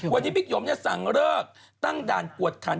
วันนี้บิ๊กหยมสั่งเลิกตั้งด่านกวดขัน